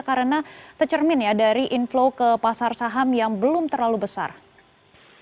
karena tercermin dari inflow ke pasar saham yang belum terlalu berhasil